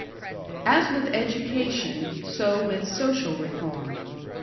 As with Education, so with Social Reform.